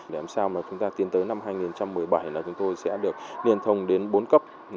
để làm sao mà chúng ta tiến tới năm hai nghìn một mươi bảy là chúng tôi sẽ được liên thông đến bốn cấp